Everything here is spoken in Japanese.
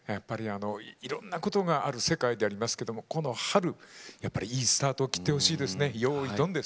いろんなことがある世界でありますけれどこの春いいスタートを切ってほしいですね。